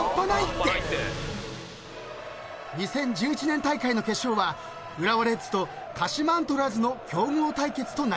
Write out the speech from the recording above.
［２０１１年大会の決勝は浦和レッズと鹿島アントラーズの強豪対決となりました］